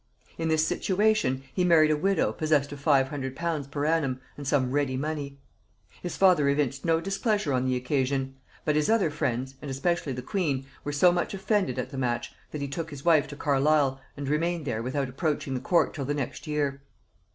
In this situation he married a widow possessed of five hundred pounds per annum and some ready money. His father evinced no displeasure on the occasion; but his other friends, and especially the queen, were so much offended at the match, that he took his wife to Carlisle and remained there without approaching the court till the next year.